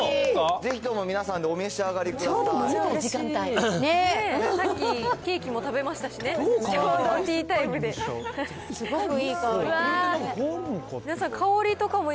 ぜひとも皆さんでお召し上がりください。